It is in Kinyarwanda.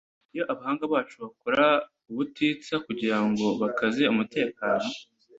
Iyo abahanga bacu bakora ubutitsa kugira ngo bakaze umutekano